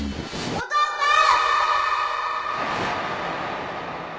お父さーん